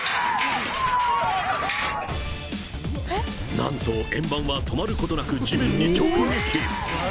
なんと、円盤は止まることなく地面に直撃。